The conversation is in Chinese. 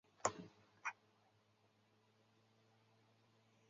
小尚帕尼亚人口变化图示